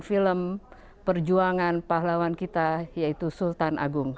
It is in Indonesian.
film perjuangan pahlawan kita yaitu sultan agung